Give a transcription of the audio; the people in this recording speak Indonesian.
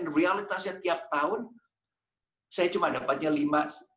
dan realitasnya setiap tahun saya hanya mendapatkan lima